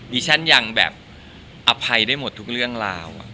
ดิฉันยังแบบอภัยได้หมดทุกเรื่องราว